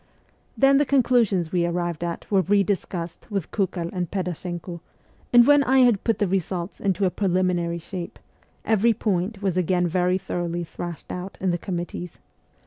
Then the conclusions we arrived at were re discussed with Kukel and Pedashenko ; and when I had put the results into a preliminary shape, every point was again very thoroughly thrashed out in the committees.